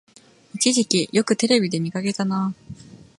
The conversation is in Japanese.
一時期よくテレビで見かけたなあ